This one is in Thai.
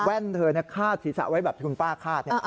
แว่นเธอฆาตศีรษะไว้แบบที่คุณป้าฆาต